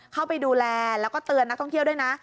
เข้าไปดูแลแล้วก็เตือนนักท่องเที่ยวด้วยนะ